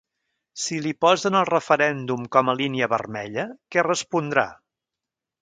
Si li posen el referèndum com a línia vermella, què respondrà?